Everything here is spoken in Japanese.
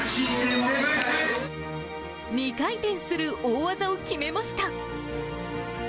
２回転する大技を決めました。